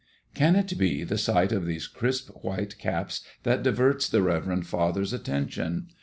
Can it be the sight of these crisp white caps that diverts the reverend father's attention?